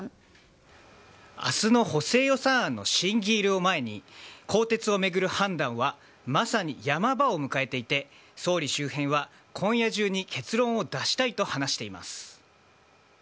明日の補正予算案の審議入りを前に更迭を巡る判断はまさにヤマ場を迎えていて総理周辺は今夜中に結論を出したいと話しています。